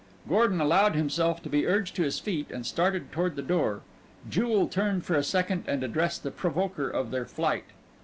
Gordon allowed himself to be urged to his feet and started toward the door. Jewel turned for a second and addressed the provoker of their flight.